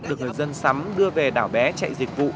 được người dân sắm đưa về đảo bé chạy dịch vụ